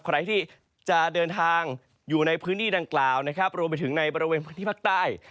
ใครที่จะเดินทางอยู่ในพื้นที่ดังกล่าวนะครับรวมไปถึงในบริเวณพื้นที่ภาคใต้